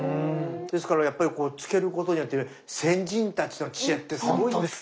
ですからやっぱりこう漬けることによって先人たちの知恵ってすごいです。